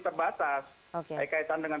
terbatas baik kaitan dengan